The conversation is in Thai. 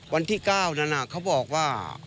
วันที่๙นั้นเขาบอกว่า